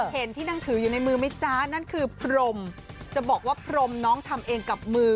เห็นที่นั่งถืออยู่ในมือไหมจ๊ะนั่นคือพรมจะบอกว่าพรมน้องทำเองกับมือ